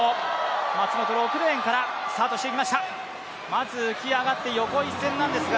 まず浮き上がって横一線なんですが。